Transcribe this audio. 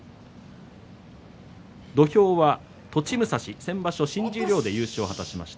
土俵は栃武蔵先場所、新十両で優勝を果たしています。